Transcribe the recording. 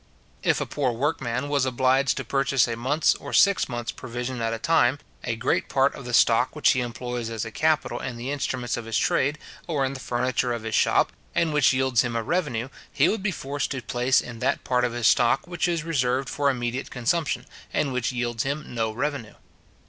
If a poor workman was obliged to purchase a month's or six months' provisions at a time, a great part of the stock which he employs as a capital in the instruments of his trade, or in the furniture of his shop, and which yields him a revenue, he would be forced to place in that part of his stock which is reserved for immediate consumption, and which yields him no revenue.